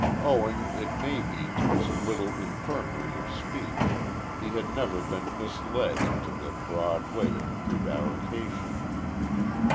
Owing, it may be, to his little infirmity of speech, he had never been misled into the broad way of prevarication.